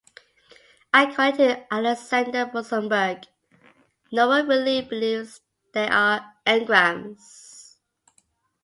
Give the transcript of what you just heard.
According to Alexander Rosenberg, no one really believes there are engrams.